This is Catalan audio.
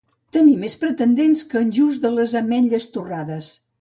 Tenir més pretendents que en Just de les ametlles torrades.